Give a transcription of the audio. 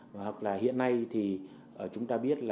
hoặc là hiện nay thì chúng ta biết